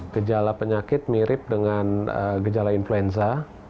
gejala penyakit mirip dengan gejala influenza